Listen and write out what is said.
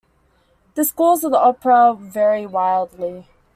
The scores of the opera vary wildly.